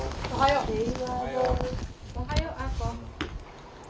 おはよう。